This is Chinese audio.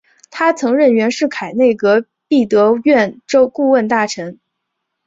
他曾任袁世凯内阁弼德院顾问大臣。